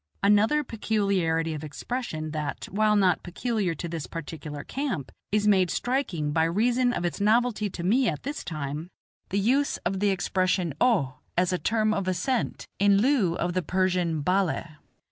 Another peculiarity of expression, that, while not peculiar to this particular camp, is made striking by reason of its novelty to me at this time, the use of the expression "O" as a term of assent, in lieu of the Persian "balli."